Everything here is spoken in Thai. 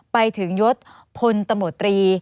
ไปถึงยศพลตำรวจตรี